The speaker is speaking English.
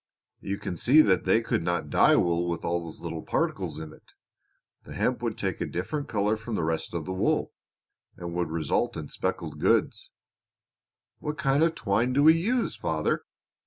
You can see that they could not dye wool with all these little particles in it. The hemp would take a different color from the rest of the wool, and would result in specked goods." "What kind of twine do we use, father?"